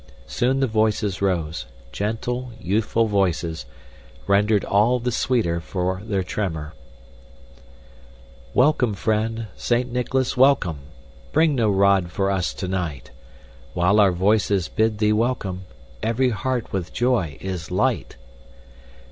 Soon the voices rose gentle, youthful voices rendered all the sweeter for their tremor: "Welcome, friend! Saint Nicholas, welcome! Bring no rod for us tonight! While our voices bid thee welcome, Every heart with joy is light!